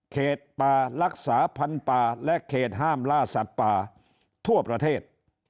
เขตป่ารักษาพันธุ์ป่าและเขตห้ามล่าสัตว์ป่าทั่วประเทศ